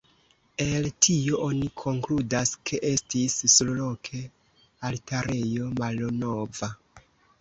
El tio oni konkludas ke estis surloke altarejo malnova.